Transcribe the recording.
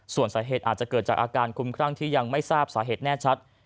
ส่วนสาเหตุอาจจะเกิดจากอาการคุ้มครั่งที่ยังไม่ทราบสาเหตุแน่ชัด